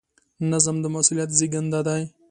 نظم د مسؤلیت زېږنده دی.